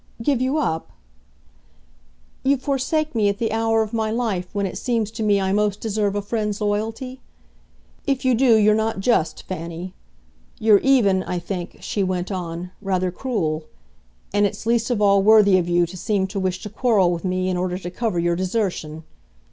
"Give you up ?" "You forsake me at the hour of my life when it seems to me I most deserve a friend's loyalty? If you do you're not just, Fanny; you're even, I think," she went on, "rather cruel; and it's least of all worthy of you to seem to wish to quarrel with me in order to cover your desertion."